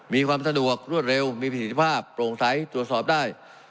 มีความสะดวกรวดเร็วมีประสิทธิภาพโปร่งใสตรวจสอบได้